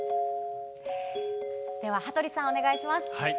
では、羽鳥さん、お願いします。